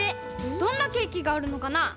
どんなケーキがあるのかな？